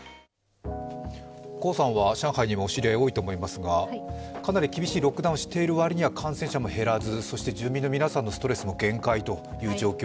高さんは上海にも知り合いが多いと思いますが、かなり厳しいロックダウンをしている割には感染者も減らず、そして住民の皆さんのストレスも限界という状況